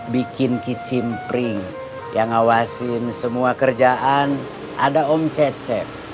bikin kicimpring yang ngawasin semua kerjaan ada om cecep